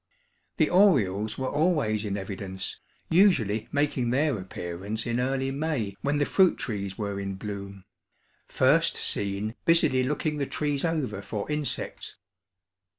The orioles were always in evidence, usually making their appearance in early May when the fruit trees were in bloom; first seen busily looking the trees over for insects.